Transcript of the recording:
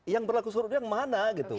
yang berlaku surut itu yang mana